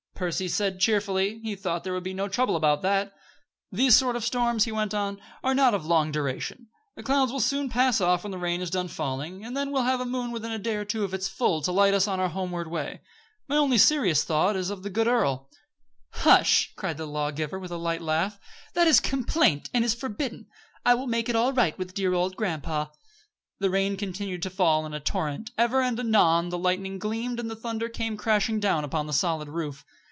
Percy said, cheerfully, he thought there would be no trouble about that. "These sort of storms," he went on, "are not of long duration. The clouds will soon pass off when the rain is done falling, and then we'll have a moon within a day or two of its full to light us on our homeward way. My only serious thought is of the good old earl." "Hush!" cried the law giver, with a light laugh. "That is complaint, and is forbidden. I will make it all right with dear old grandpa." The rain continued to fall in a torrent, ever and anon the lightning gleamed and the thunder came crashing down upon the solid roof.